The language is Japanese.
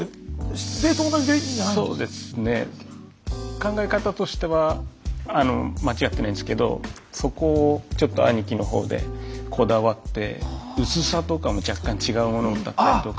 考え方としては間違ってないんですけどそこをちょっと兄貴の方でこだわって薄さとかも若干違うものだったりとか。